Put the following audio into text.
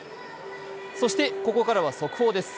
そしてここからは速報です。